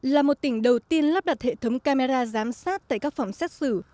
là một tỉnh đầu tiên lắp đặt hệ thống camera giám sát tại các phòng xét xử